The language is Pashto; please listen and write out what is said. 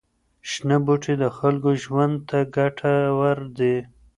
شنه بوټي د خلکو ژوند ته ګټور دي.